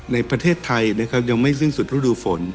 ในประเทศไทยยังไม่ซึ้งสุดฤดูฝน